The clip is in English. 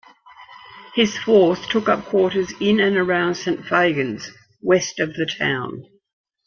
His force took up quarters in and around Saint Fagans, west of the town.